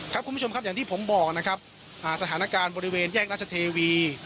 คุณผู้ชมครับอย่างที่ผมบอกนะครับสถานการณ์บริเวณแยกราชเทวี